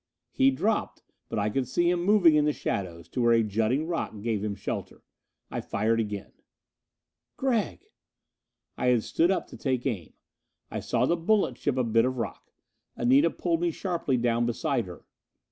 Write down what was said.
He dropped, but I could see him moving in the shadows to where a jutting rock gave him shelter. I fired again. "Gregg." I had stood up to take aim. I saw the bullet chip a bit of rock. Anita pulled me sharply down beside her.